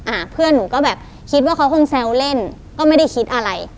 อ่าเพื่อนหนูก็แบบคิดว่าเขาคงแซวเล่นก็ไม่ได้คิดอะไร